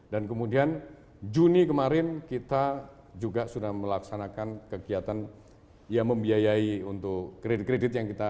dan kemudian juni kemarin kita juga sudah melaksanakan kegiatan yang membiayai untuk kredit kredit yang kita ambil